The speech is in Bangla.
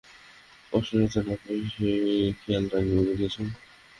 কষ্ট যাতে না পায় খেয়াল রাখবে, বুঝেছ?